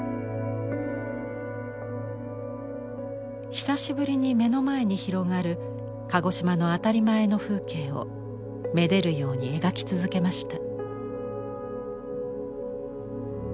久しぶりに目の前に広がる鹿児島の当たり前の風景を愛でるように描き続けました。